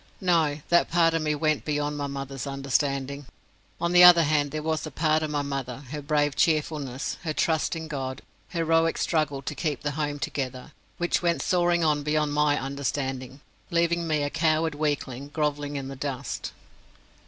No, that part of me went beyond my mother's understanding. On the other hand, there was a part of my mother her brave cheerfulness, her trust in God, her heroic struggle to keep the home together which went soaring on beyond my understanding, leaving me a coward weakling, grovelling in the dust.